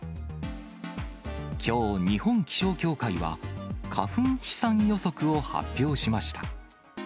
きょう、日本気象協会は花粉飛散予測を発表しました。